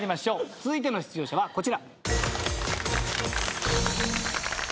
続いての出場者はこちら。